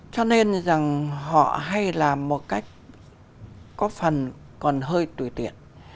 cho nên rằng họ hay làm một cách có phần còn hơi tùy tiện